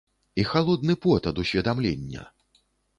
І халодны пот ад усведамлення.